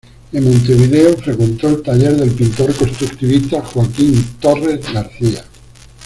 En Montevideo frecuentó el taller del pintor constructivista Joaquín Torres García.